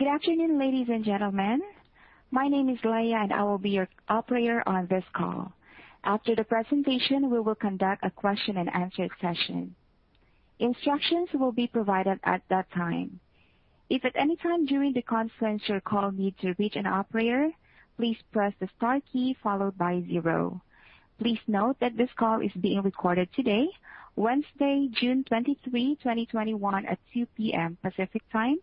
Good afternoon, ladies and gentlemen. My name is Leah, and I will be your operator on this call. After the presentation, we will conduct a question-and-answer session. Instructions will be provided at that time. If at any time during the conference you need to reach an operator, please press the star key followed by zero. Please note that this call is being recorded today, Wednesday, June 23, 2021, at 2:00 P.M. Pacific Time,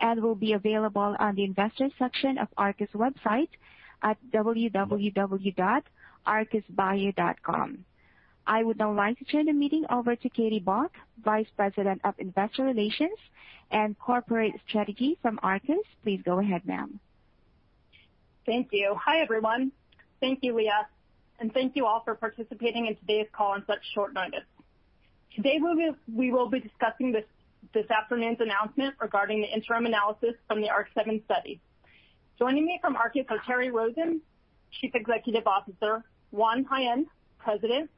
and will be available on the investor section of Arcus website at www.arcusbio.com. I would now like to turn the meeting over to Katie Bock, Vice President of Investor Relations and Corporate Strategy from Arcus. Please go ahead, ma'am. Thank you. Hi, everyone. Thank you, Leah, and thank you all for participating in today's call on such short notice. Today, we will be discussing this afternoon's announcement regarding the interim analysis from the ARC-7 study. Joining me from Arcus are Terry Rosen, Chief Executive Officer; Juan Jaen, President;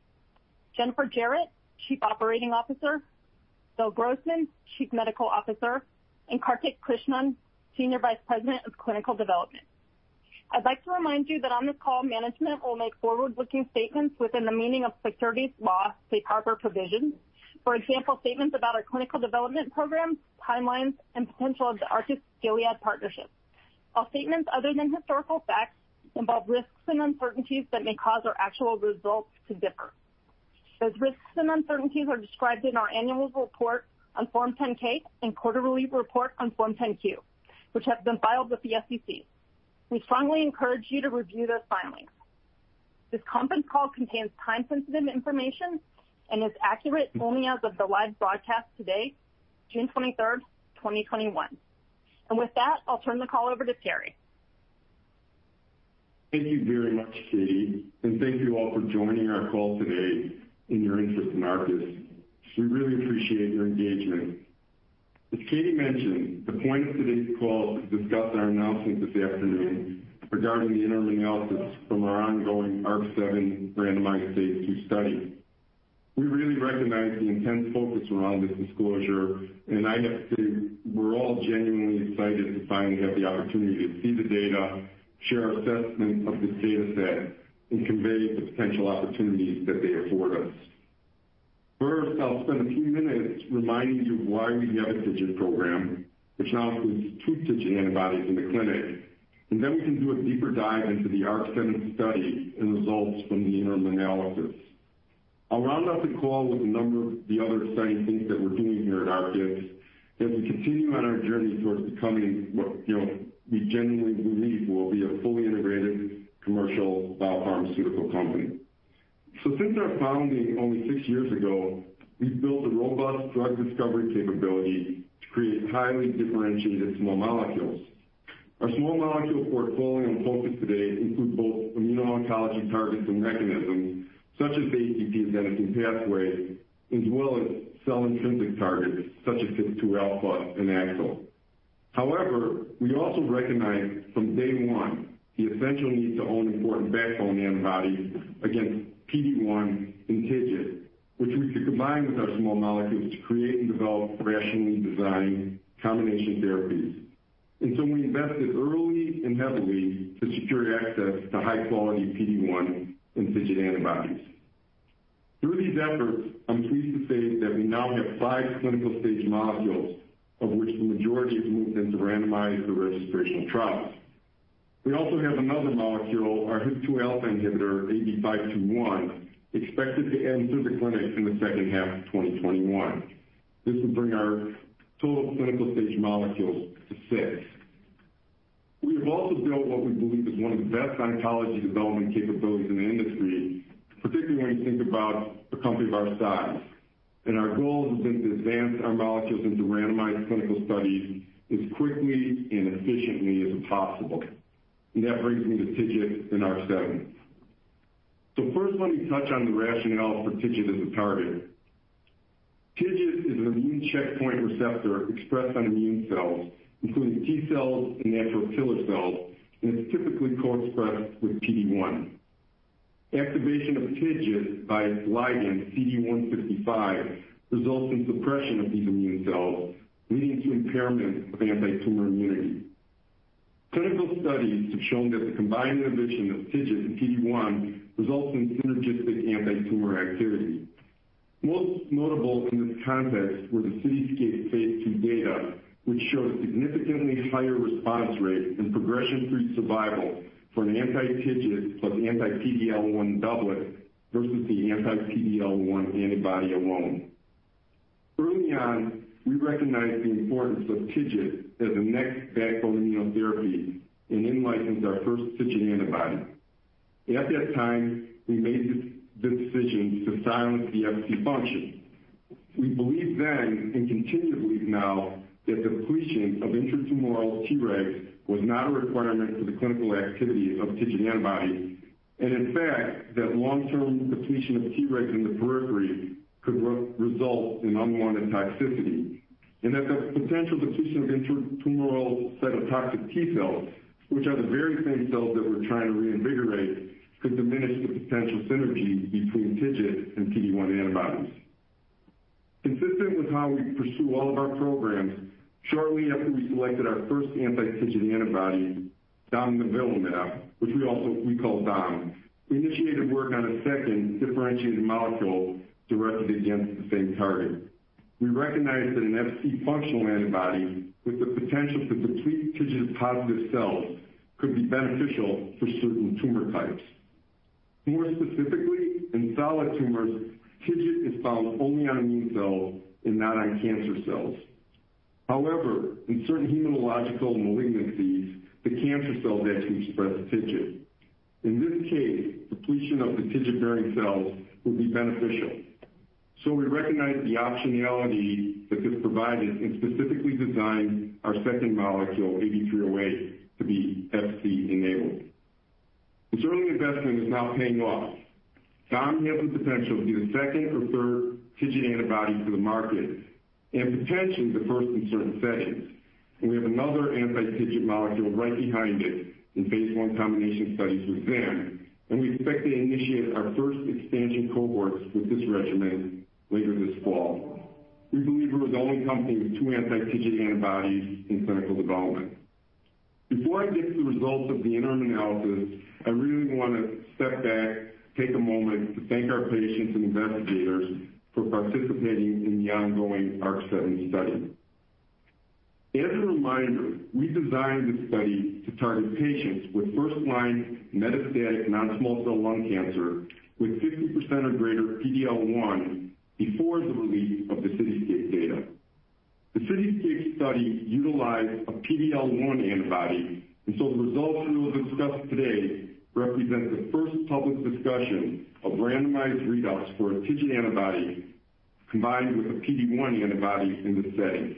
Jennifer Jarrett, Chief Operating Officer; Bill Grossman, Chief Medical Officer; and Kartik Krishnan, Senior Vice President of Clinical Development. I'd like to remind you that on this call, management will make forward-looking statements within the meaning of the Securities Laws safe harbor provisions. For example, statements about our clinical development programs, timelines, and the potential of the Arcus-Gilead partnership. All statements other than historical facts involve risks and uncertainties that may cause our actual results to differ. Those risks and uncertainties are described in our annual report on Form 10-K and quarterly report on Form 10-Q, which have been filed with the SEC. We strongly encourage you to review those filings. This conference call contains time-sensitive information and is accurate only as of the live broadcast today, June 23rd, 2021. With that, I'll turn the call over to Terry. Thank you very much, Katie, and thank you all for joining our call today and for your interest in Arcus. We really appreciate your engagement. As Katie mentioned, the point of today's call is to discuss our announcement this afternoon regarding the interim analysis from our ongoing ARC-7 randomized phase II study. We really recognize the intense focus around this disclosure, and I have to say, we're all genuinely excited to finally have the opportunity to see the data, share our assessment of this data set, and convey the potential opportunities that they afford us. First, I'll spend a few minutes reminding you why we have a TIGIT program, which now includes two TIGIT antibodies in the clinic, and then we can do a deeper dive into the ARC-7 study and results from the interim analysis. I'll round out the call with a number of the other exciting things that we're doing here at Arcus as we continue on our journey towards becoming what we genuinely believe will be a fully integrated commercial biopharmaceutical company. Since our founding only six years ago, we've built a robust drug discovery capability to create highly differentiated small molecules. Our small molecule portfolio and focus today include both immuno-oncology targets and mechanisms such as the ATP-adenosine pathway, as well as cell intrinsic targets such as HIF-2α and AXL. We also recognized from day one the essential need to own important backbone antibodies against PD-1 and TIGIT, which we could combine with our small molecules to create and develop rationally designed combination therapies. We invested early and heavily to secure access to high-quality PD-1 and TIGIT antibodies. Through these efforts, I'm pleased to say that we now have five clinical-stage molecules, of which the majority have moved into randomized or registrational trials. We also have another molecule, our HIF-2α inhibitor, AB521, expected to enter the clinic in the second half of 2021. This will bring our total clinical-stage molecules to six. We have also built what we believe is one of the best oncology development capabilities in the industry, particularly when you think about a company of our size. Our goal has been to advance our molecules into randomized clinical studies as quickly and efficiently as possible. That brings me to TIGIT and ARC-7. First, let me touch on the rationale for TIGIT as a target. TIGIT is an immune checkpoint receptor expressed on immune cells, including T cells and natural killer cells, and it's typically co-expressed with PD-1. Activation of TIGIT by its ligand, CD155, results in suppression of these immune cells, leading to impairment of antitumor immunity. Clinical studies have shown that the combined inhibition of TIGIT and PD-1 results in synergistic antitumor activity. Most notable in this context were the CITYSCAPE phase II data, which showed a significantly higher response rate and progression-free survival for an anti-TIGIT plus anti-PD-L1 doublet versus the anti-PD-L1 antibody alone. Early on, we recognized the importance of TIGIT as the next backbone immunotherapy and in-licensed our first TIGIT antibody. At that time, we made the decision to silence the Fc function. We believed then and continue to believe now that depletion of intra-tumoral Tregs was not a requirement for the clinical activity of TIGIT antibody, and in fact, that long-term depletion of Tregs in the periphery could result in unwanted toxicity, and that the potential depletion of intra-tumoral cytotoxic T cells, which are the very same cells that we're trying to reinvigorate, could diminish the potential synergy between TIGIT and PD-1 antibodies. Consistent with how we pursue all of our programs, shortly after we selected our first anti-TIGIT antibody, domvanalimab, which we call dom, we initiated work on a second differentiated molecule directed against the same target. We recognized that an Fc functional antibody with the potential to deplete TIGIT-positive cells could be beneficial for certain tumor types. More specifically, in solid tumors, TIGIT is found only on immune cells and not on cancer cells. In certain hematological malignancies, the cancer cells actually express TIGIT. In this case, depletion of the TIGIT-bearing cells would be beneficial. We recognized the optionality that this provided and specifically designed our second molecule, AB308, to be Fc-enabled. Certainly, investment is now paying off. Domvanalimab has the potential to be the second or third TIGIT antibody to the market and potentially the first in certain settings. We have another anti-TIGIT molecule right behind it in phase I combination studies with zimberelimab, and we expect to initiate our first expansion cohorts with this regimen later this fall. We believe we're the only company with two anti-TIGIT antibodies in clinical development. Before I get to the results of the interim analysis, I really want to step back, take a moment to thank our patients and investigators for participating in the ongoing ARC-7 study. As a reminder, we designed this study to target patients with first-line metastatic non-small cell lung cancer with 50% or greater PD-L1 before the release of the CITYSCAPE data. The CITYSCAPE study utilized a PD-L1 antibody, the results that we will discuss today represent the first public discussion of randomized readouts for a TIGIT antibody combined with a PD-1 antibody in this setting.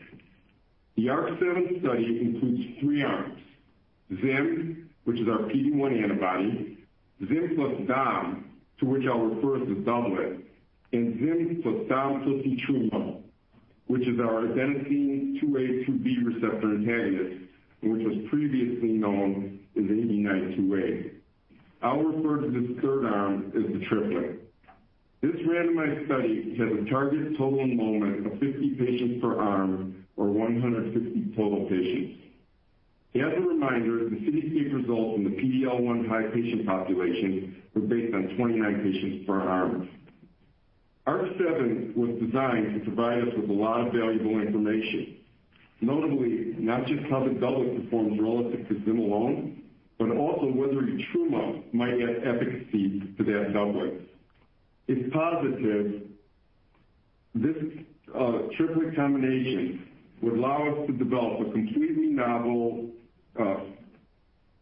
The ARC-7 study includes three arms: zimberelimab, which is our PD-1 antibody; zimberelimab plus domvanalimab, to which I'll refer as the doublet; and zimberelimab plus domvanalimab plus etrumadenant, which is our adenosine A2a/A2b receptor antagonist, and which was previously known as AB928. I'll refer to this third arm as the triplet. This randomized study has a target total enrollment of 50 patients per arm, or 150 total patients. As a reminder, the CITYSCAPE results in the PD-L1 high patient population were based on 29 patients per arm. ARC-7 was designed to provide us with a lot of valuable information, notably not just how the doublet performs relative to zimberelimab alone, but also whether etrumadenant might add efficacy to that doublet. If positive, this triplet combination would allow us to develop a completely novel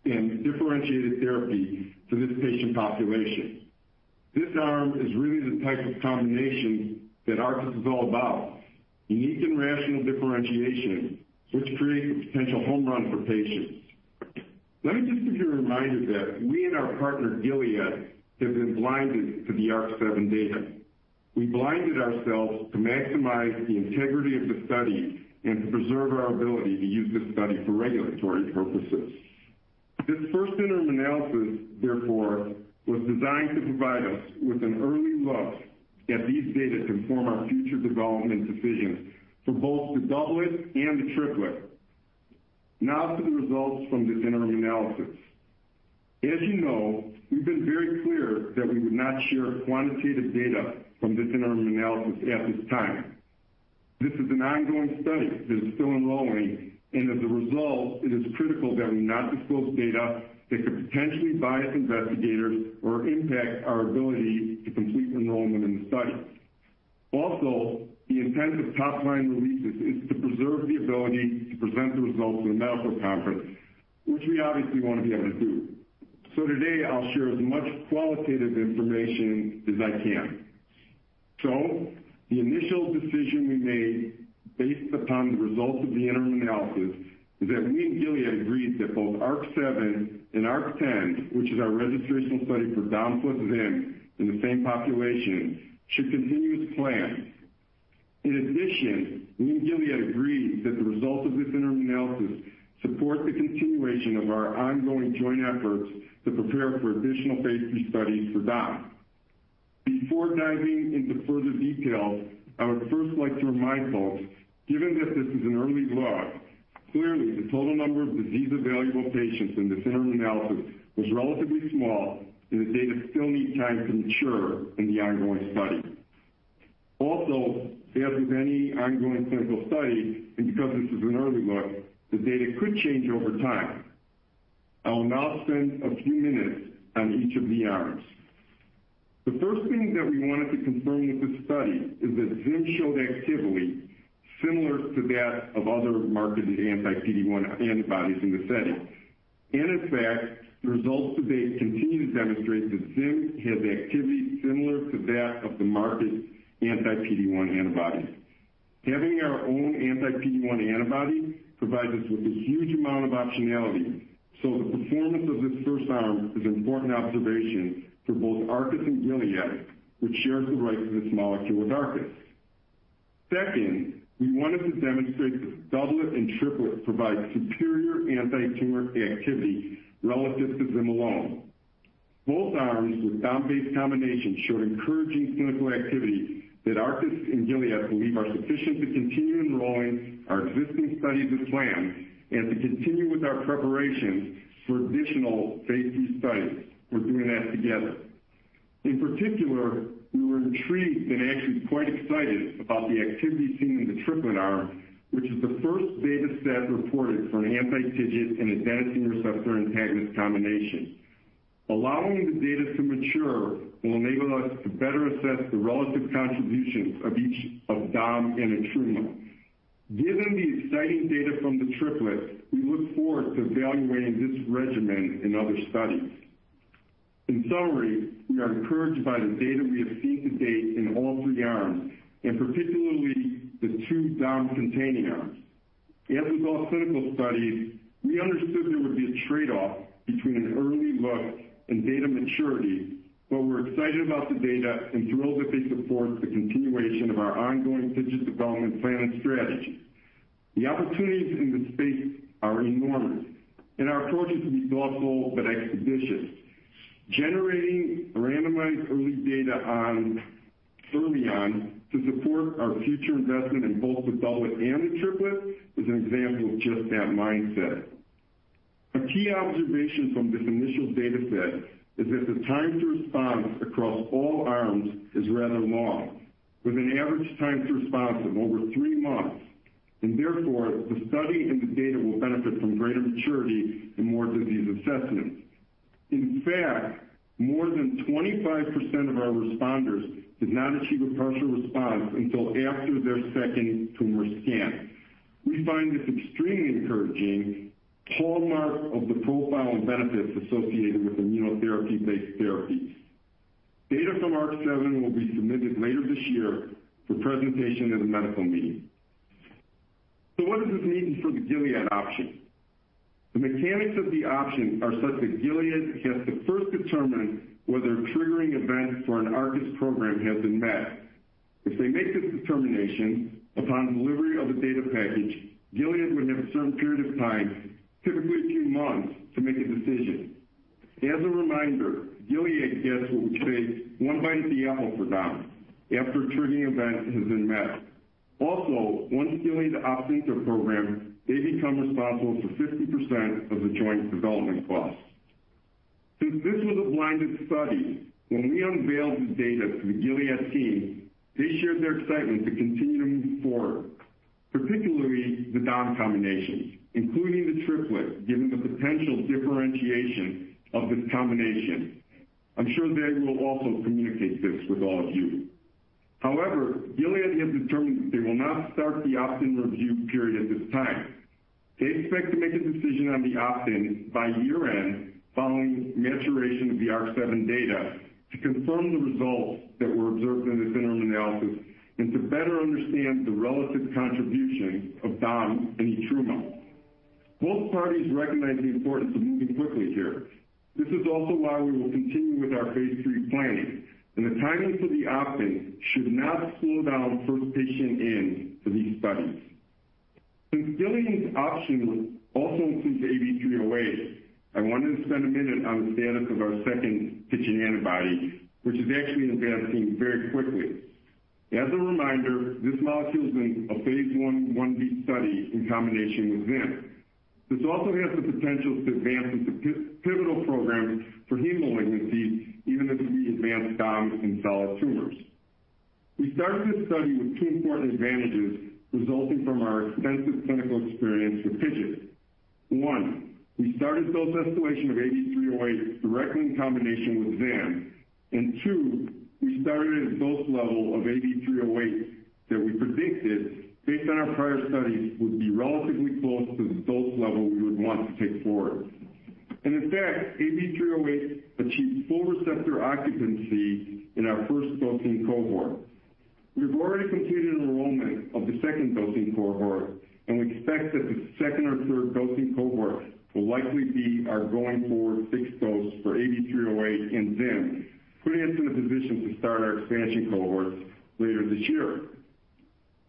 and differentiated therapy for this patient population. This arm is really the type of combination that Arcus is all about: unique and rational differentiation, which creates a potential home run for patients. Let me just give you a reminder that our partner, Gilead, and we have been blinded to the ARC-7 data. We blinded ourselves to maximize the integrity of the study and to preserve our ability to use this study for regulatory purposes. This first interim analysis, therefore, was designed to provide us with an early look at these data to inform our future development decisions for both the doublet and the triplet. To the results from this interim analysis. As you know, we've been very clear that we would not share quantitative data from this interim analysis at this time. This is an ongoing study that is still enrolling, and as a result, it is critical that we not disclose data that could potentially bias investigators or impact our ability to complete enrollment in the study. The intent of top-line releases is to preserve the ability to present the results at a medical conference, which we obviously want to be able to do. Today, I'll share as much qualitative information as I can. The initial decision we made based upon the results of the interim analysis is that we and Gilead agreed that both ARC-7 and ARC-10, which is our registrational study for domvanalimab plus zimberelimab in the same population, should continue as planned. In addition, Gilead and we agreed that the results of this interim analysis support the continuation of our ongoing joint efforts to prepare for additional phase II studies for domvanalimab. Before diving into further details, I would first like to remind folks, given that this is an early look, clearly the total number of disease evaluable patients in this interim analysis was relatively small, and the data still need time to mature in the ongoing study. Also, as with any ongoing clinical study, and because this is an early look, the data could change over time. I'll now spend a few minutes on each of the arms. The first thing that we wanted to confirm with this study is that zimberelimab showed activity similar to that of other marketed anti-PD-1 antibodies in this setting. In fact, the results to date continue to demonstrate that zimberelimab has activity similar to that of the marketed anti-PD-1 antibodies. Having our own anti-PD-1 antibody provides us with a huge amount of optionality. The performance of this first arm is an important observation for both Arcus and Gilead, which shares the rights of this molecule with Arcus. Second, we wanted to demonstrate that the doublet and triplet provide superior anti-tumor activity relative to zimberelimab alone. Both arms with domvanalimab-based combinations showed encouraging clinical activity that Arcus and Gilead believe is sufficient to continue enrolling our existing studies as planned and to continue with our preparations for additional phase II studies. We're doing that together. In particular, we were intrigued and actually quite excited about the activity seen in the triplet arm, which is the first data set reported for an anti-TIGIT and an adenosine receptor antagonist combination. Allowing the data to mature will enable us to better assess the relative contributions of each of domvanalimab and etrumadenant. Given the exciting data from the triplet, we look forward to evaluating this regimen in other studies. In summary, we are encouraged by the data we have seen to date in all three arms, and particularly the two domvanalimab-containing arms. As with all clinical studies, we understood there would be a trade-off between an early look and data maturity. We're excited about the data and thrilled that they support the continuation of our ongoing TIGIT development plan and strategy. The opportunities in this space are enormous, and our approach has been thoughtful but expeditious. Generating randomized early data on study arms to support our future investment in both the doublet and the triplet is an example of just that mindset. A key observation from this initial data set is that the time to response across all arms is rather long, with an average time to response of over three months, and therefore, the study and the data will benefit from greater maturity and more disease assessments. In fact, more than 25% of our responders did not achieve a partial response until after their second tumor scan. We find this extremely encouraging, a hallmark of the profile of benefits associated with immunotherapy-based therapies. Data from ARC-7 will be submitted later this year for presentation at a medical meeting. What does this mean for the Gilead option? The mechanics of the option are such that Gilead gets to first determine whether a triggering event for an Arcus program has been met. If they make this determination upon delivery of a data package, Gilead would have a certain period of time, typically a few months, to make a decision. As a reminder, Gilead gets what we say, one bite at the apple for domvanalimab after a triggering event has been met. Also, once Gilead opts into a program, they become responsible for 50% of the joint development costs. Since this was a blinded study, when we unveiled this data to the Gilead team, they shared their excitement to continue moving forward, particularly the domvanalimab combinations, including the triplet, given the potential differentiation of this combination. I'm sure they will also communicate this with all of you. However, Gilead has determined that it will not start the opt-in review period at this time. They expect to make a decision on the opt-in by year-end, following maturation of the ARC-7 data to confirm the results that were observed in this interim analysis and to better understand the relative contribution of domvanalimab and etrumadenant. Both parties recognize the importance of moving quickly here. This is also why we will continue with our phase III plans, and the timing for the opt-in should not slow down the first patient in for these studies. Since Gilead's option also includes AB308, I wanted to spend a minute on the status of our second TIGIT antibody, which is actually advancing very quickly. As a reminder, this molecule is in a phase I/I-B study in combination with zimberelimab. This also has the potential to advance as a pivotal program for hematologic malignancies, even as we advance domvanalimab in solid tumors. We started this study with two important advantages resulting from our extensive clinical experience with TIGIT. One, we started dose escalation of AB308 directly in combination with zimberelimab, and two, we started at a dose level of AB308 that we predicted, based on our prior studies, would be relatively close to the dose level we would want to take forward. In fact, AB308 achieved full receptor occupancy in our first dosing cohort. We've already completed enrollment of the second dosing cohort, and we expect that the second or third dosing cohort will likely be our going-forward fixed dose for AB308 and zimberelimab, putting us in a position to start our expansion cohorts later this year.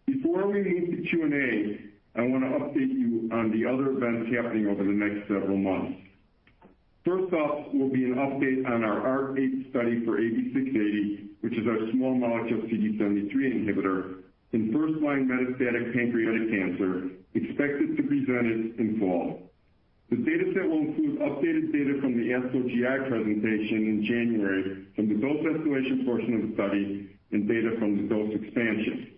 Before we move to Q&A, I want to update you on the other events happening over the next several months. First up will be an update on our ARC-8 study for AB680, which is our small-molecule CD73 inhibitor in first-line metastatic pancreatic cancer, expected to be presented in the fall. The data set will include updated data from the ASCO GI presentation in January from the dose escalation portion of the study and data from the dose expansion.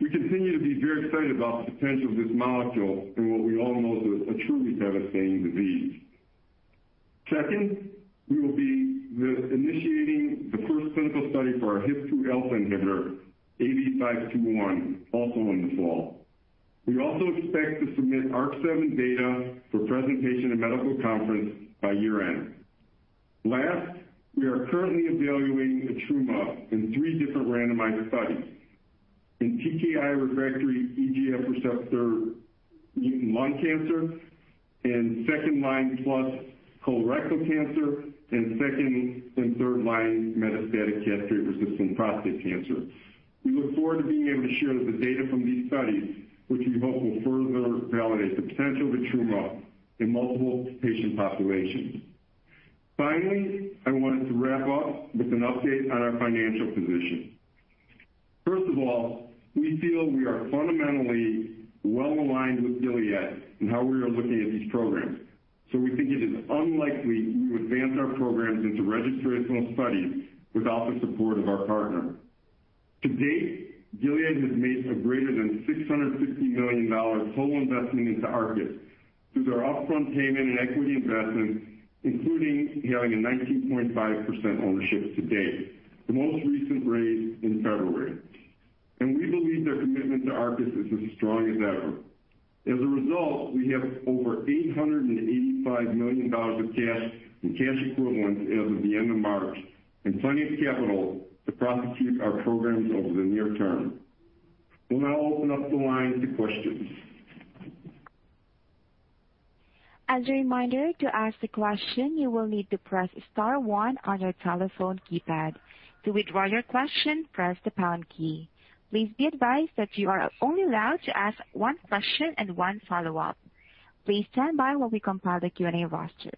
We continue to be very excited about the potential of this molecule in what we all know is a truly devastating disease. Second, we will be initiating the first clinical study for our HIF-2α inhibitor, AB521, also in the fall. We also expect to submit ARC-7 data for presentation at a medical conference by year-end. Last, we are currently evaluating etrumadenant in three different randomized studies. In TKI-refractory EGFR mutant lung cancer, in second-line plus colorectal cancer, and second and third-line metastatic castrate-resistant prostate cancer. We look forward to being able to share the data from these studies, which we hope will further validate the potential of etrumadenant in multiple patient populations. I wanted to wrap up with an update on our financial position. We feel we are fundamentally well-aligned with Gilead in how we are looking at these programs. We think it is unlikely we would advance our programs into registrational studies without the support of our partner. To date, Gilead has made a greater than $650 million total investment into Arcus through their upfront payment and equity investments, including having a 19.5% ownership to date, the most recent raise in February, and we believe their commitment to Arcus is as strong as ever. As a result, we have over $885 million of cash and cash equivalents as of the end of March and plenty of capital to prosecute our programs over the near term. We'll now open up the line to questions. As a reminder, to ask a question, you will need to press star one on your telephone keypad. To withdraw your question, press the pound key. Please be advised that you are only allowed to ask one question and one follow-up. Please stand by while we compile the Q&A roster.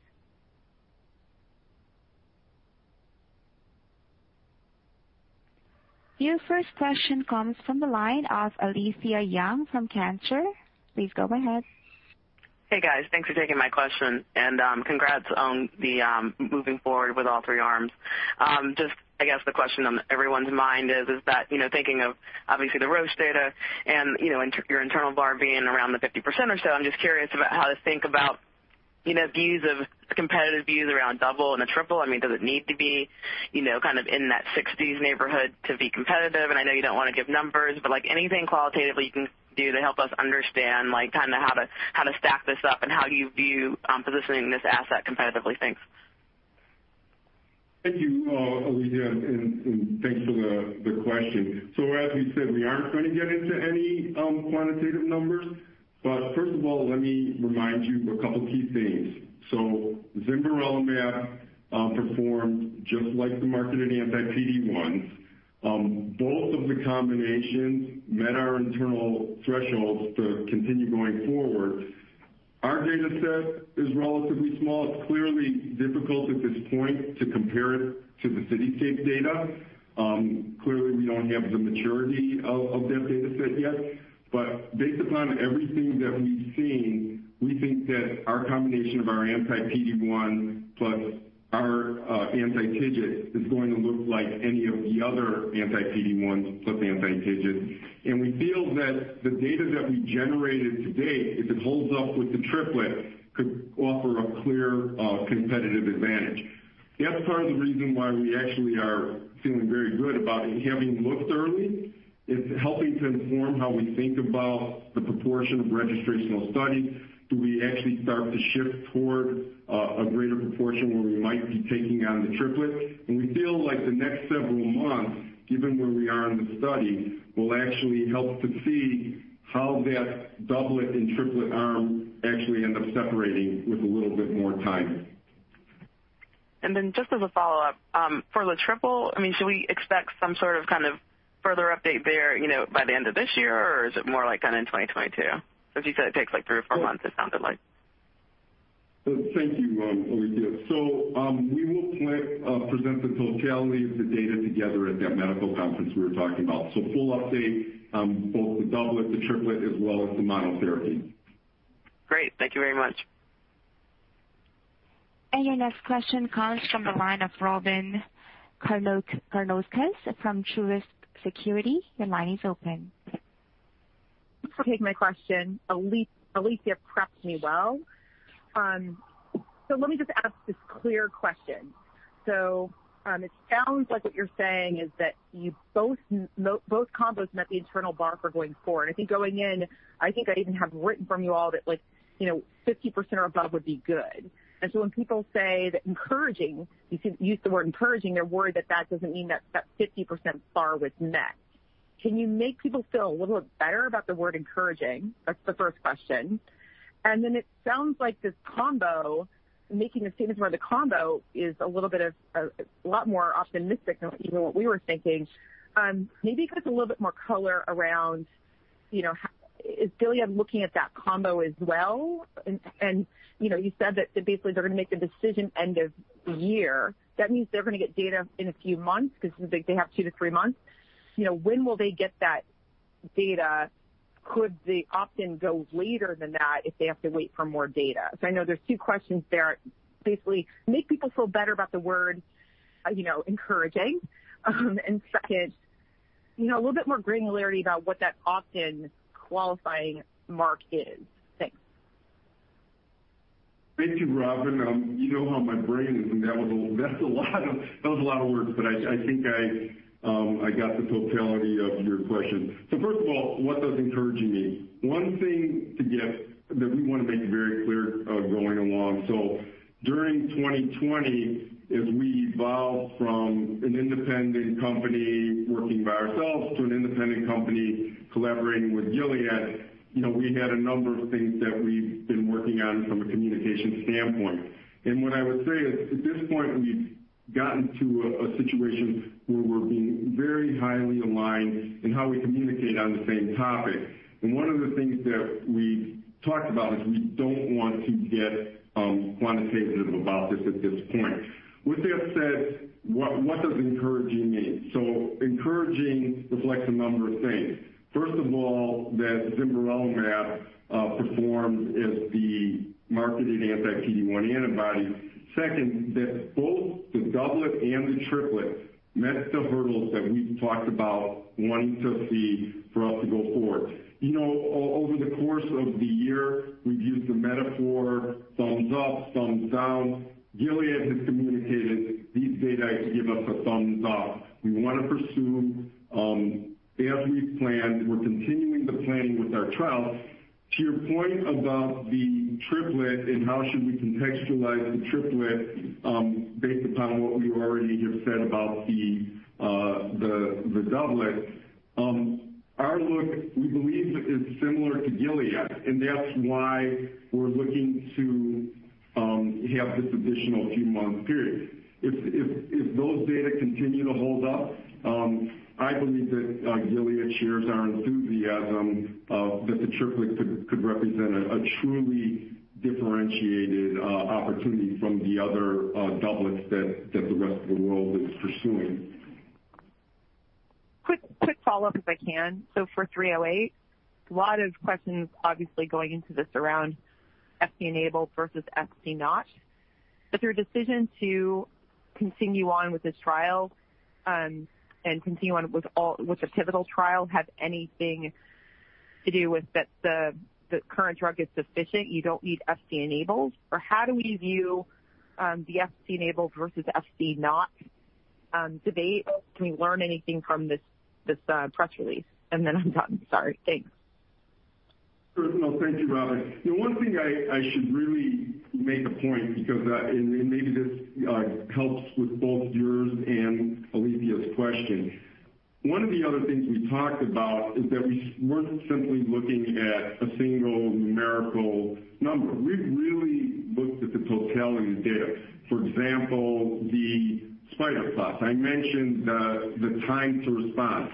Your first question comes from the line of Alethia Young from Cantor Fitzgerald. Please go ahead. Hey, guys. Thanks for taking my question, and congrats on moving forward with all three arms. Just, I guess the question on everyone's mind is that, thinking of obviously the CITYSCAPE data and your internal bar being around the 50% or so, I'm just curious about how to think about views of competitive views around the doublet and the triplet. Does it need to be, kind of, in that range of 60% to be competitive? I know you don't want to give numbers, but is there anything qualitative you can do to help us understand how to stack this up, and how you view positioning this asset competitively? Thanks. Thank you, Alethia, and thanks for the question. As you said, we aren't going to get into any quantitative numbers. First of all, let me remind you of a couple of key things. Zimberelimab performed just like the marketed anti-PD-1. Both of the combinations met our internal thresholds to continue going forward. Our dataset is relatively small. It's clearly difficult at this point to compare it to the CITYSCAPE data. Clearly, we don't have the maturity of their dataset yet. Based upon everything that we've seen, we think that our combination of our anti-PD-1 plus our anti-TIGIT is going to look like any of the other anti-PD-1 plus anti-TIGIT. We feel that the data that we generated to date, if it holds up with the triplets, could offer a clear competitive advantage. That's part of the reason why we are actually feeling very good about having looked early. It's helping to inform how we think about the proportion of registrational studies. Do we actually start to shift toward a greater proportion where we might be taking on the triplet? We feel like the next several months, given where we are in the study, will actually help to see how that doublet and triplet arm actually end up separating with a little bit more time. Just as a follow-up, for the triple, should we expect some sort of further update there by the end of this year? Or is it more like in 2022? Because you said it takes like three or four months, it sounded like. Thank you, Alethia. We will present the totality of the data together at the medical conference we were talking about. Full update, both the doublet, the triplet, as well as the monotherapy. Great. Thank you very much. Your next question comes from the line of Robyn Karnauskas from Truist Securities. Your line is open. Thanks for taking my question. Alethia prepped me well. Let me just ask this clear question. It sounds like what you're saying is that both combos met the internal bar for going forward. I think going in, I think I even have written from you all that 50% or above would be good. When people say that, you use the word 'encouraging', they're worried that that doesn't mean that 50% bar was met. Can you make people feel a little bit better about the word 'encouraging'? That's the first question. Then it sounds like this combo, making a statement for the combo, is a lot more optimistic than even what we were thinking. Maybe give us a little bit more color around. Is Gilead looking at that combo as well? You said that basically they're going to make a decision by the end of the year. Does that mean they're going to get data in a few months, or is it because they have two or three months? When will they get that data? Could they often go later than that if they have to wait for more data? I know there are two questions there. Basically, can you make people feel better about the word encouraging? Second, a little bit more granularity about what that opt-in qualifying mark is. Thanks. Thank you, Robyn. You know how my brain is, and that was a lot of words, but I think I got the totality of your question. First of all, what does encouraging mean? One thing to get that we want to make very clear is going along. During 2020, as we evolved from an independent company working by ourselves to an independent company collaborating with Gilead, we had a number of things that we've been working on from a communication standpoint. What I would say is that at this point, we've gotten to a situation where we're being very highly aligned in how we communicate on the same topic. One of the things that we talked about is that we don't want to get quantitative about this at this point. With that said, what does encouraging mean? Encouraging reflects a number of things. First of all, that zimberelimab performed as the marketed anti-PD-1 antibody. Second, that both the doublet and the triplet met the hurdles that we've talked about wanting to see for us to go forward. Over the course of the year, we've used the metaphor thumbs up, thumbs down. Gilead has communicated these data to give us a thumbs up. We want to pursue as we've planned. We're continuing the planning with our trial. To your point about the triplet and how we should contextualize the triplet based upon what we already have said about the doublet. Our look, we believe, is similar to Gilead, and that's why we're looking to have this additional few months period. If those data continue to hold up, I believe that Gilead shares our enthusiasm that the triplet could represent a truly differentiated opportunity from the other doublets that the rest of the world is pursuing. Quick follow-up, if I can. For AB308, a lot of questions obviously going into this around Fc-enabled versus Fc-silent. Your decision to continue on with this trial and continue on with the pivotal trial has anything to do with the fact that the current drug is sufficient, or do you not need Fc-enabled? How do we view the Fc-enabled versus Fc-silent debate? Can we learn anything from this press release? I'm done. Sorry. Thanks. No, thank you, Robyn. The one thing I should really make a point of, because maybe this helps with both your and Alethia's questions. One of the other things we talked about is that we weren't simply looking at a single numerical number. We've really looked at the totality of data. For example, the spider plots. I mentioned the time to respond.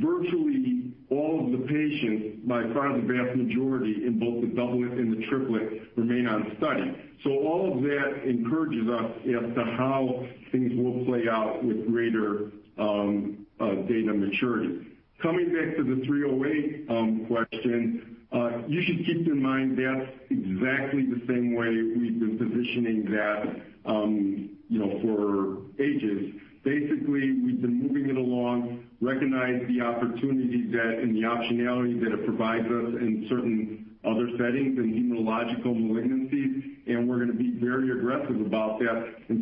Virtually all of the patients, by far the vast majority in both the doublet and the triplet, remain on study. All of that encourages us as to how things will play out with greater data maturity. Coming back to the AB308 question, you should keep in mind that's exactly the same way we've been positioning that for ages. We've been moving it along. We recognize the opportunity and the optionality that it provides us in certain other settings and hematological malignancies. We're going to be very aggressive about that. The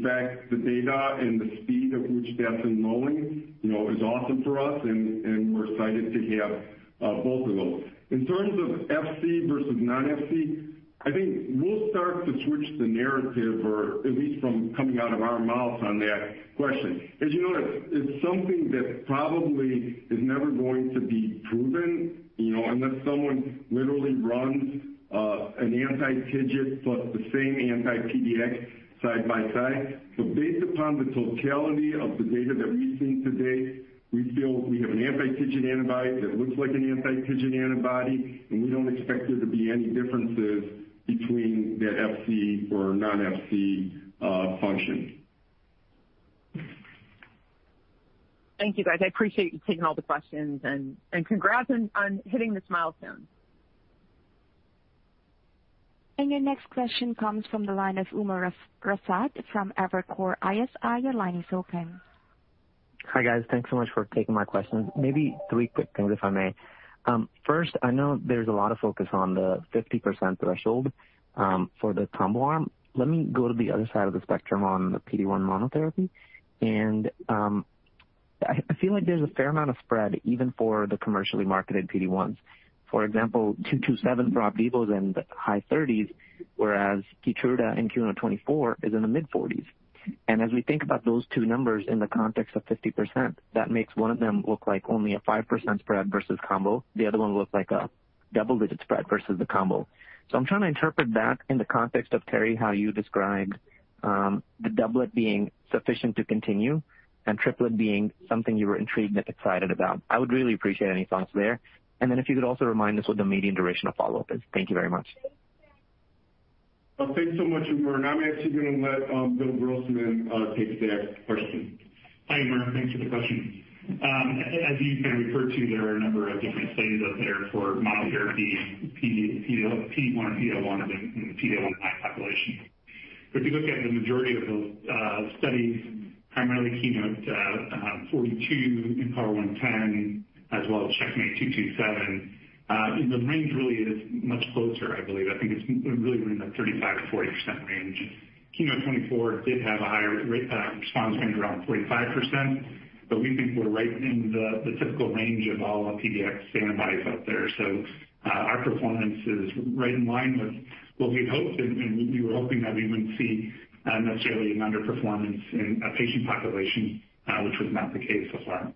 data and the speed at which that's enrolling are awesome for us. We're excited to have both of those. In terms of Fc-enabled versus Fc-silent, I think we'll start to switch the narrative, or at least come out of our mouths on that question. As you know, it's something that probably is never going to be proven, unless someone literally runs an anti-TIGIT plus the same anti-PD-X side by side. Based upon the totality of the data that we've seen to date, we feel we have an anti-TIGIT antibody that looks like an anti-TIGIT antibody. We don't expect there to be any differences between the Fc-enabled or Fc-silent function. Thank you, guys. I appreciate you taking all the questions, and congrats on hitting this milestone. And your next question comes from the line of Umer Raffat from Evercore ISI. Your line is open. Hi, guys. Thanks so much for taking my questions. Maybe three quick questions, if I may. First, I know there's a lot of focus on the 50% threshold for the combo arm. Let me go to the other side of the spectrum on the PD-1 monotherapy. I feel like there's a fair amount of spread even for the commercially marketed PD-1s. For example, CheckMate 227 brought PFS in the high range of 30%, whereas KEYTRUDA in KEYNOTE-024 is in the mid range of 40%. As we think about those two numbers in the context of 50%, that makes one of them look like only a 5% spread versus the combo, and the other one looks like a double-digit spread versus the combo. I'm trying to interpret that in the context of Terry, how you described the doublet being sufficient to continue, and the triplet being something you were intrigued and excited about. I would really appreciate any thoughts there. If you could also remind us what the median duration of follow-up is. Thank you very much. Thanks so much, Umer. I'm actually going to let Bill Grossman take that question. Hi, Umer. Thanks for the question. As you kind of refer to, there are a number of different studies out there for monotherapy PD-1, PD-L1, and PD-L1 high population. If you look at the majority of those studies, primarily KEYNOTE-042, IMpower110, as well as CheckMate 227, the range really is much closer, I believe. I think it's really in the 35%-40% range. KEYNOTE-024 did have a higher response rate, around 45%, and we think we're right in the typical range of all the PD-X antibodies out there. Our performance is right in line with what we had hoped, and we were hoping that we wouldn't see necessarily an underperformance in a patient population, which was not the case so far.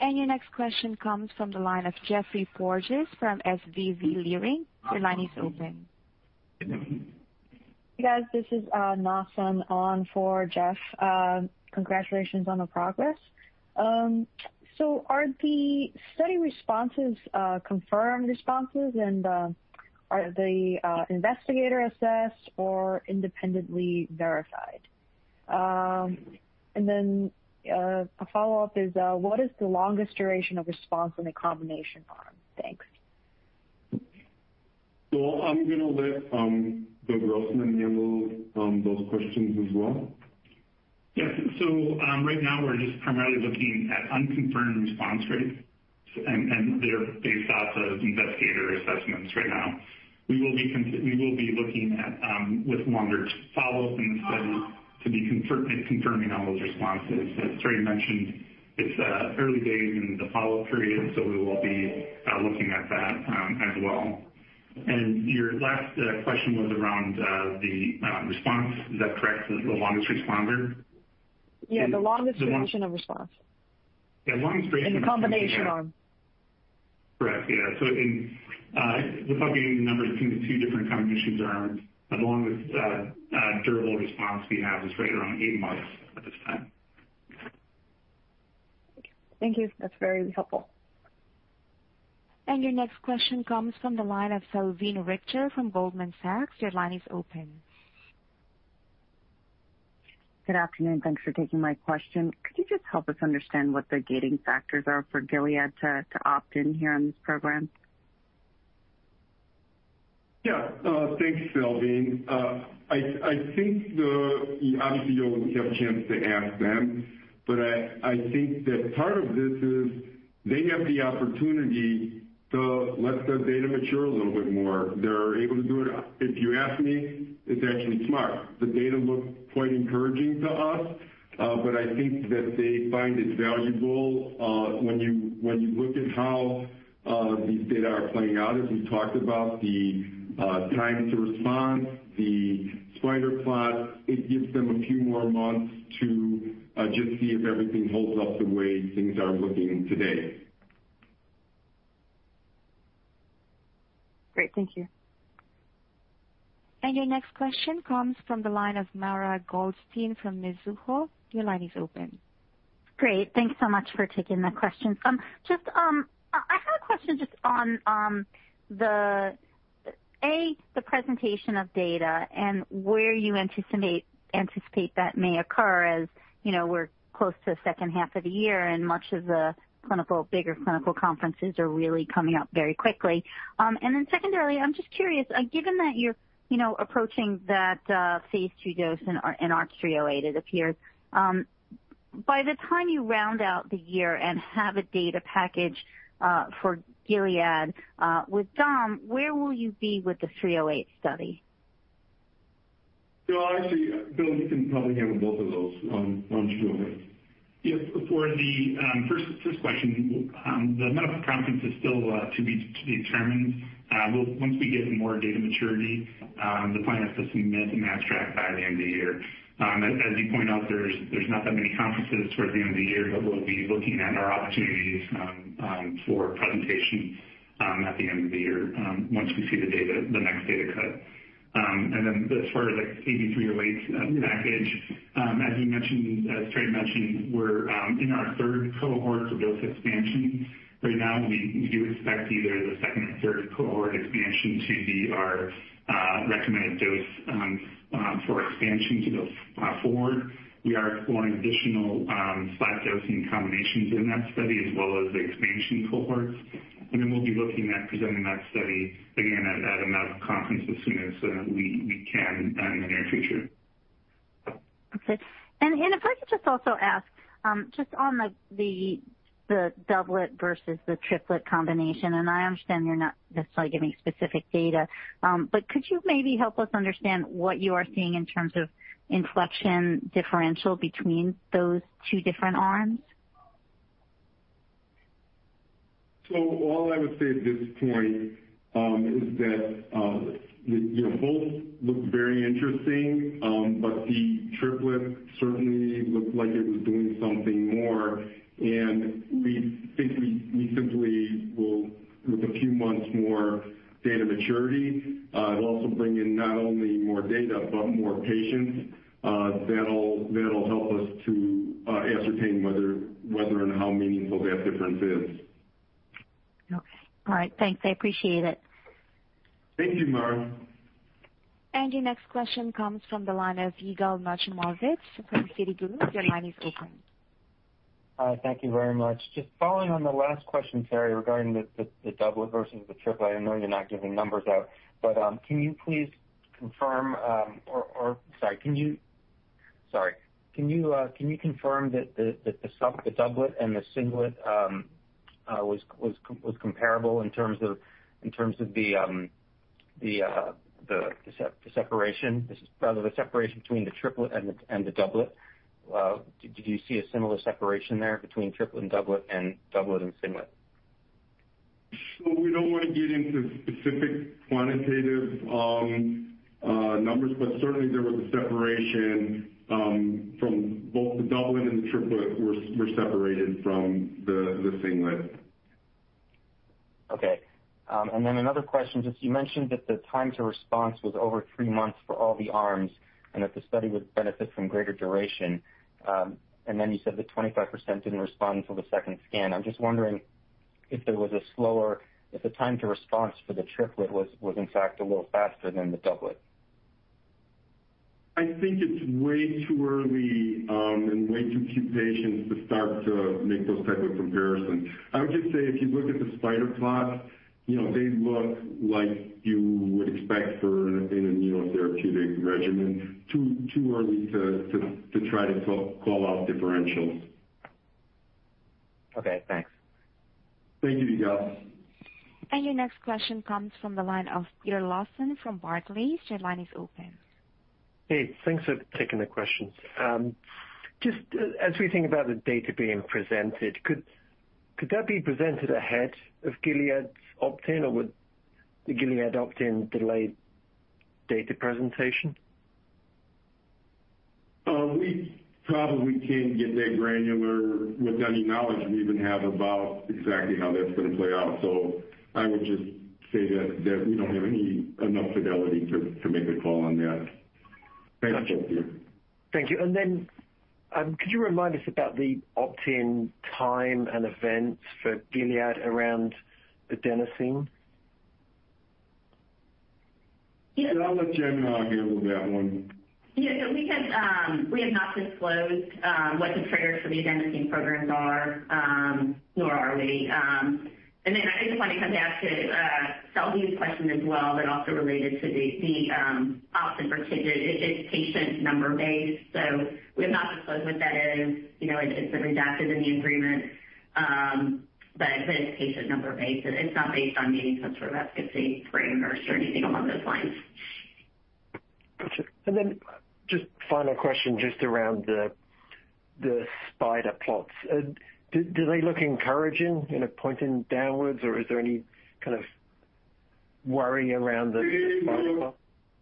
Your next question comes from the line of Geoffrey Porges from SVB Leerink. Your line is open. Yes, this is [Nasim] on for Geoff. Congratulations on the progress. Are the study responses confirmed responses, are they investigator-assessed, or independently verified? A follow-up is, what is the longest duration of response on the combination arm? Thanks. I'm going to let Bill Grossman handle those questions as well. Yes. Right now, we're just primarily looking at unconfirmed response rates. They're based on investigator assessments right now. We will be looking at, with longer follow-up, studies to confirm all those responses. As Terry mentioned, it's early days in the follow-up period. We will be looking at that as well. Your last question was around the response. Is that correct? The longest responder? Yeah, the longest duration of response. Yeah. In the combination arm. Correct. In the published numbers in the two different combination arms, the longest durable response we have is right around eight months at this time. Thank you. That's very helpful. Your next question comes from the line of Salveen Richter from Goldman Sachs. Your line is open. Good afternoon. Thanks for taking my question. Could you just help us understand what the gating factors are for Gilead to opt in here in this program? Yeah. Thanks, Salveen. Obviously, you won't have a chance to ask them, but I think that part of this is that they have the opportunity to let their data mature a little bit more. They're able to do it. If you ask me, it's actually smart. The data looked quite encouraging to us, but I think that they find it valuable. When you look at how these data are playing out, as we talked about the time to response, the spider plots, it gives them a few more months to just see if everything holds up the way things are looking today. Great. Thank you. Your next question comes from the line of Mara Goldstein from Mizuho. Your line is open. Great. Thanks so much for taking my question. I had a question just on, firstly, on the presentation of data and where you anticipate that may occur, as we're close to the second half of the year, and many of the bigger clinical conferences are really coming up very quickly. Secondly, I'm just curious, given that you're approaching that phase II dose in AB308, it appears. By the time you round out the year and have a data package for Gilead with domvanalimab, where will you be with the AB308 study? Actually, Bill can probably handle both of those. Why don't you go ahead? For the first question, the medical conference is still to be determined. Once we get more data maturity, the plan is to make an abstract by the end of the year. As you point out, there aren't that many conferences towards the end of the year, but we'll be looking at our opportunities for presentations at the end of the year once we see the next data cut. Then, as far as the AB308 package, as Terry mentioned, we're in our third cohort for dose expansion right now, and we do expect either the second or third cohort expansion to be our recommended dose for expansion to go forward. We are exploring additional flat dosing combinations in that study, as well as the expansion cohorts. We'll be looking at presenting that study, again, at a medical conference as soon as we can in the near future. Okay. If I could just also ask, just on the doublet versus the triplet combination, and I understand you're not necessarily giving specific data. Could you maybe help us understand what you are seeing in terms of inflection differential between those two different arms? All I would say at this point is that both look very interesting, but the triplet certainly looked like it was doing something more, and we think we simply will, with a few months more data maturity, also bring in not only more data, but more patients. That'll help us to ascertain whether and how meaningful that difference is. Okay. All right, thanks. I appreciate it. Thank you, Mara. Your next question comes from the line of Yigal Nochomovitz of Citigroup. Your line is open. Thank you very much. Just following on the last question, Terry, regarding the doublet versus the triplet. I know you're not giving numbers out, but can you please confirm that the doublet and the singlet were comparable in terms of the separation between the triplet and the doublet? Did you see a similar separation there between triplet and doublet, and doublet and monotherapy? We don't want to get into specific quantitative numbers, but certainly, there was a separation between the doublet and triplet, which were separated from the singlet. Okay. Another question, since you mentioned that the time to respond was over three months for all the arms and that the study would benefit from a greater duration, and then you said that 25% didn't respond till the second scan. I'm just wondering if the time to respond for the triplet was, in fact, a little faster than the doublet? I think it's way too early and way too few patients to start to make those types of comparisons. I would just say, if you look at the spider plot, they look like you would expect in an immunotherapeutic regimen. Too early to try to call out differentials. Okay, thanks. Thank you, Yigal. Your next question comes from the line of Peter Lawson from Barclays. Your line is open. Hey, thanks for taking the question. Just as we think about the data being presented, could that be presented ahead of Gilead's opt-in, or would the Gilead opt-in delay data presentation? We probably can't get that granular with any knowledge we even have about exactly how that's going to play out. I would just say that we don't have enough fidelity to make a call on that. Thank you. Could you remind us about the opt-in time and events for Gilead around the adenosine? Yeah. I'll let Jen answer on that one. Yeah. We have not disclosed what the triggers for the adenosine programs are, nor are we. I just want to come back to Salveen's question as well, but also related to the opt-in for triggers. It is patient number-based, so we've not disclosed what that is. It's been redacted in the agreement, but it's patient number-based, so it's not based on meeting some sort of efficacy frame or anything along those lines. Got you. Just a final question around the spider plots, do they look encouraging, pointing downwards, or is there any kind of worry around the spider plots?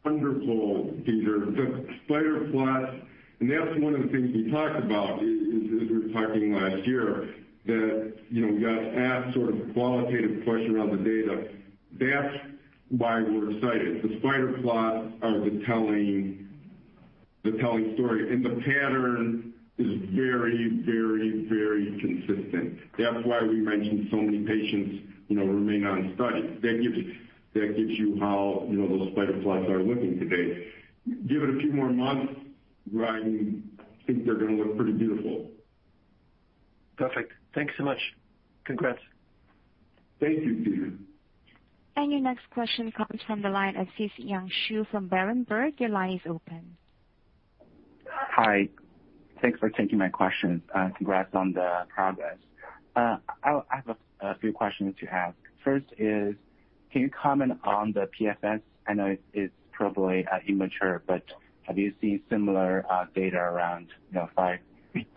They look wonderful, Peter. The spider plots, and that's one of the things we talked about as we were talking last year, that got asked a sort of qualitative question on the data. That's why we're excited. The spider plots are the telling story, and the pattern is very, very consistent. That's why we mentioned so many patients remain on study. That gives you how those spider plots are looking today. Give it a few more months, and I think they're going to look pretty beautiful. Perfect. Thanks so much. Congrats. Thank you, Peter. Your next question comes from the line of Zhiqiang Shu from Berenberg. Your line is open. Thanks for taking my questions. Congrats on the progress. I have a few questions to ask. Can you comment on the PFS? I know it's probably immature, but have you seen similar data around five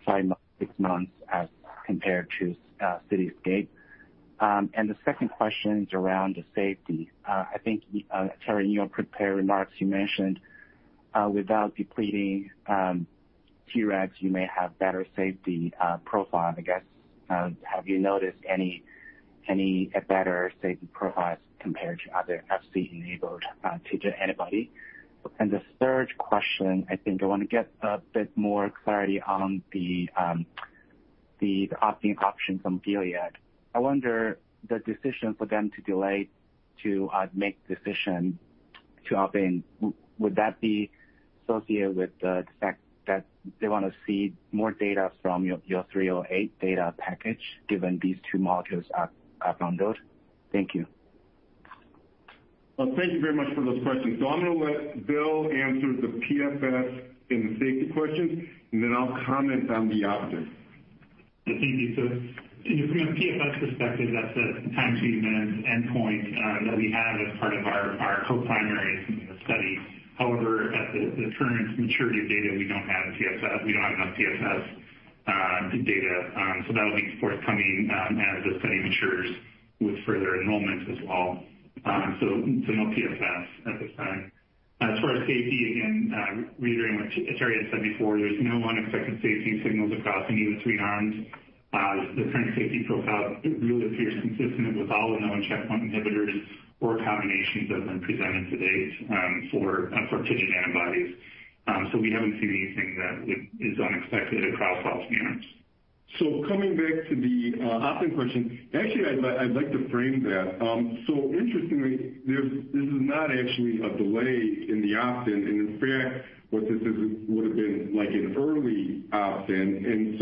to six months as compared to CITYSCAPE? The second question is about safety. I think, Terry, in your prepared remarks, you mentioned that without depleting Tregs, you may have a better safety profile, I guess. Have you noticed any better safety profiles compared to other Fc-enabled TIGIT antibodies? The third question, I think, I want to get a bit more clarity on the opt-in option from Gilead. I wonder, the decisions for them to delay making a decision to opt in, would that be associated with the fact that they want to see more data from your AB308 data package, given these two molecules are on dose? Thank you. Well, thank you very much for those questions. I'm going to let Bill answer the PFS and the safety question, and then I'll comment on the opt-in. Thank you. From a PFS perspective, that's a time-to-event endpoint that we have as part of our co-primaries in the study. However, at the current maturity of data, we don't have PFS. We don't have enough PFS data. That'll be forthcoming as the study matures with further enrollments as well. No PFS at this time. As far as safety, again, reiterating what Terry had said before, there are no unexpected safety signals across any of the three arms. The current safety profile really appears consistent with all immune checkpoint inhibitors or combinations that have been presented to date for our TIGIT antibodies. We haven't seen anything that is unexpected across all three arms. Coming back to the opt-in question, actually, I'd like to frame that. Interestingly, this is not actually a delay in the opt-in. In fact, what this is would've been like an early opt-in;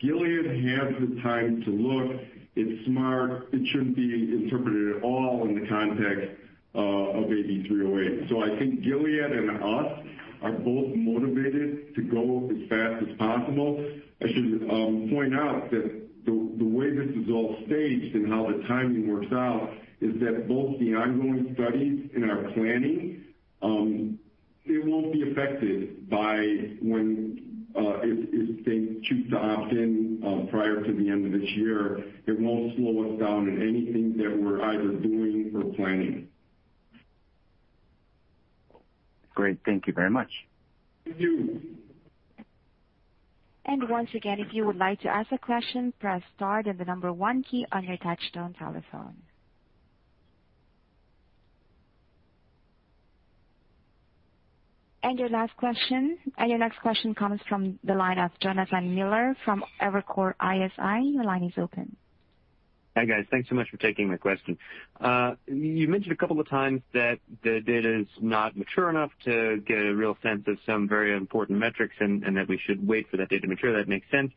Gilead has the time to look. It's smart. It shouldn't be interpreted at all in the context of AB308. I think Gilead, and we are both motivated to go as fast as possible. I should point out that the way this is all staged and how the timing works out is that both the ongoing studies and our planning, it won't be affected by when, if they choose to opt in prior to the end of this year, it won't slow us down in anything that we're either doing or planning. Great. Thank you very much. Thank you. And once again, if you would like to ask a question press star and the number one key on your touch-tone telephone. Your next question comes from the line of Jonathan Miller from Evercore ISI. Your line is open. Hi, guys. Thanks so much for taking my question. You mentioned a couple of times that the data is not mature enough to get a real sense of some very important metrics and that we should wait for that data to mature. That makes sense.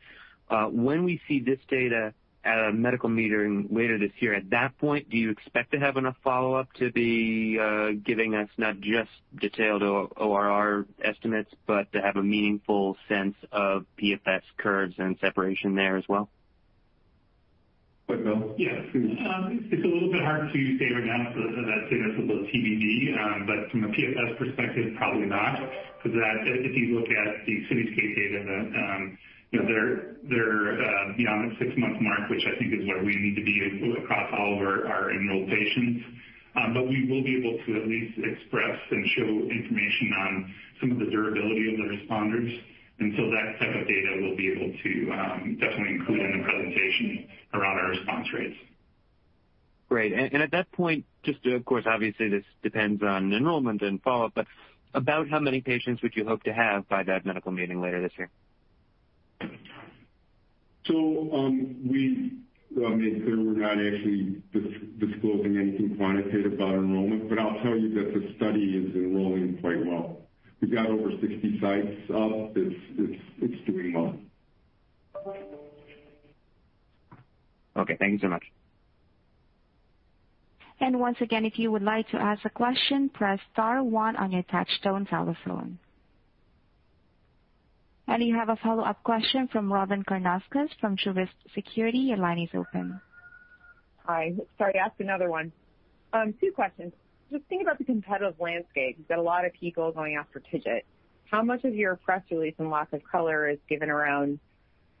When we see this data at a medical meeting later this year, at that point, do you expect to have enough follow-up to be giving us not just detailed ORR estimates, but to have a meaningful sense of PFS curves and separation there as well? It's a little bit hard to say right now because of that data split with TBD, from a PFS perspective, probably not, because if you look at the CITYSCAPE data, they're beyond the six-month mark, which I think is where we need to be able to across all of our enrolled patients. We will be able to at least express and show information on some of the durability of the responders. That type of data we'll be able to definitely include in a presentation around our response rates. Great. At that point, just of course, obviously, this depends on enrollment and follow-up, but about how many patients would you hope to have by that medical meeting later this year? I mean, certainly we're not actually disclosing anything quantitative about enrollment, but I'll tell you that the study is enrolling quite well. We've got over 60 sites up. It's doing well. Okay, thank you so much. Once again, if you would like to ask a question, press star one on your touch-tone telephone. You have a follow-up question from Robyn Karnauskas from Truist Securities. Your line is open. Hi. Sorry, I have another one. Two questions. Just thinking about the competitive landscape, there are a lot of people going after TIGIT. How much of your press release and lots of color is given around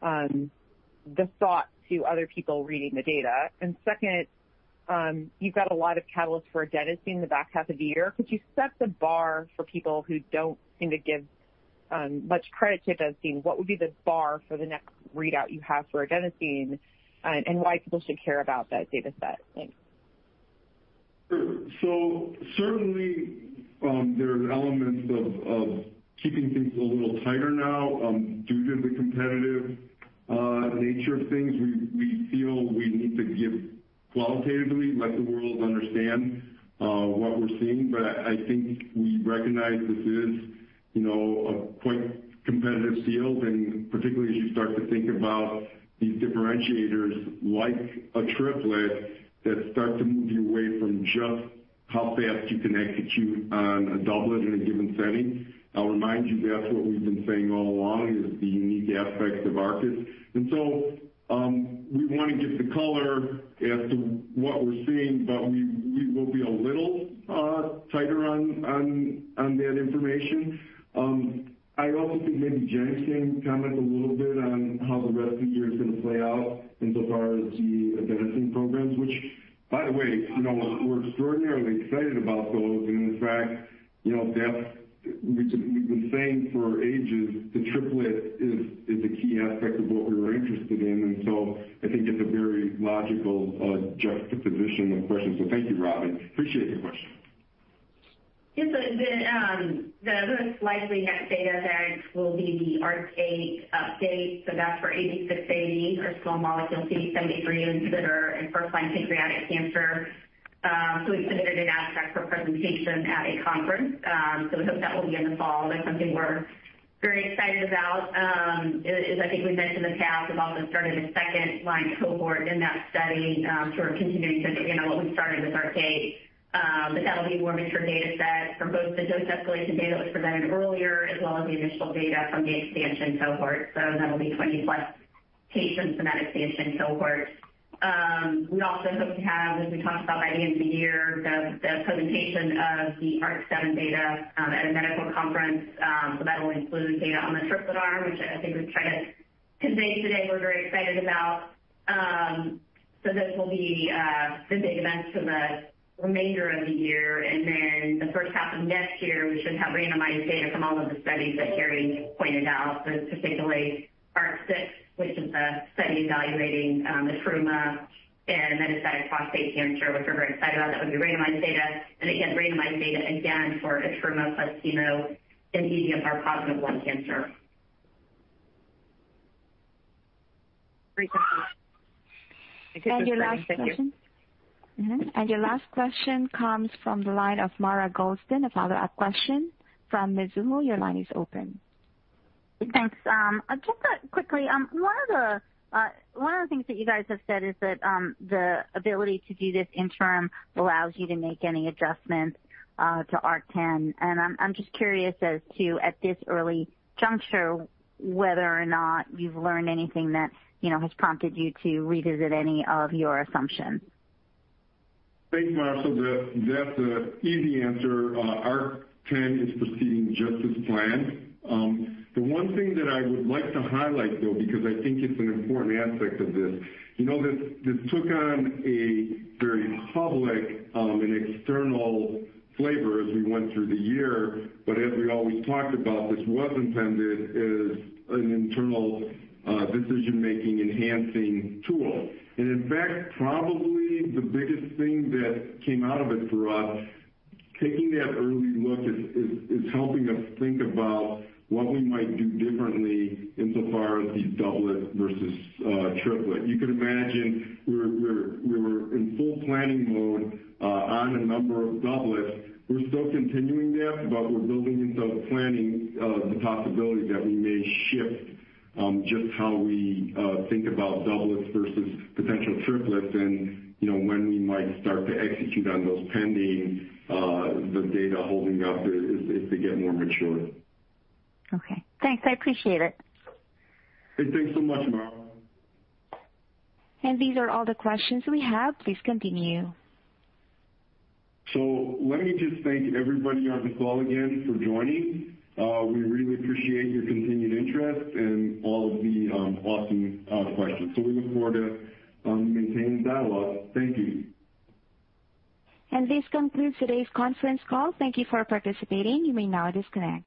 the thought to other people reading the data? Second, you've got a lot of catalysts for adenosine in the back half of the year. Could you set the bar for people who don't seem to give much credit to adenosine? What would be the bar for the next readout you have for adenosine, and why should people care about that data set? Thanks. Sure. Certainly, there are elements of keeping things a little tighter now due to the competitive nature of things. We feel we need to give qualitatively, let the world understand what we're seeing. I think we recognize this is quite a competitive field, and particularly as you start to think about these differentiators like a triplet that start to move you away from just how fast you can execute on a doublet in a given setting. I'll remind you that's what we've been saying all along, which is the unique aspect of Arcus. We want to give the color as to what we're seeing, but we will be a little tighter on that information. I also think maybe Jen can comment a little bit on how the rest of the year is going to play out insofar as the adenosine programs, which, by the way, we're extraordinarily excited about those and the fact that we've been saying for ages, the triplet is a key aspect of what we were interested in. I think it's a very logical juxtaposition of questions. Thank you, Robyn. Appreciate your questions. Yes. The most likely next data sets will be the ARC-8 update. That's for AB680, our small molecule CD73 inhibitor in first-line pancreatic cancer. We submitted an abstract for presentation at a conference. We hope that it will be in the fall. That's something we're very excited about. I think we mentioned in the past that we've also started a second-line cohort in that study to continue the sentiment of what we started with ARC-8. That'll be one extra data set from both the dose escalation data that was provided earlier, as well as the initial data from the expansion cohort. That'll be 20+ patients in that expansion cohort. We also hope to have, as we talked about at the beginning of the year, the presentation of the ARC-7 data at a medical conference. That will include data on the triplet arm, which I think we've tried to convey today, we're very excited about. This will be presented after the remainder of the year, and then in the first half of next year, we should have randomized data from all of the studies that Terry just pointed out. Specifically, ARC-6, which is the study evaluating etrumadenant in metastatic prostate cancer, we're very excited about the randomized data. Again, randomized data for etrumadenant plus zimberelimab in PD-L1-positive lung cancer. Great. Thanks. Your last question comes from the line of Mara Goldstein. A follow-up question from Mizuho. Your line is open. Thanks. I'll keep that quickly. One of the things that you guys have said is that the ability to do this interim allows you to make any adjustments to ARC-10, and I'm just curious as to, at this early juncture, whether or not you've learned anything that has prompted you to revisit any of your assumptions? Thanks, Mara. That's an easy answer. ARC-10 is proceeding just as planned. The one thing that I would like to highlight, though, because I think it's an important aspect of this, took on a very public and external flavor as we went through the year. As we always talked about, this was intended as an internal decision-making enhancing tool. In fact, probably the biggest thing that came out of it for us, taking that early look, is helping us think about what we might do differently insofar as the doublet versus triplet. You can imagine we're in full planning mode on a number of doublets. We're still continuing that, but we're building into planning the possibility that we may shift just how we think about doublets versus potential triplets and when we might start to execute on those, pending the data holding up as they get more mature. Okay, thanks. I appreciate it. Hey, thanks so much, Mara. These are all the questions we have. Please continue. Let me just thank everybody on this call again for joining. We really appreciate your continued interest and all of the awesome questions. We look forward to maintaining dialogue. Thank you. This concludes today's conference call. Thank you for participating. You may now disconnect.